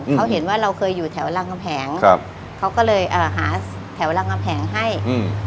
เขาเห็นว่าเราเคยอยู่แถวรังกำแหงครับเขาก็เลยเอ่อหาแถวรังกำแหงให้อืม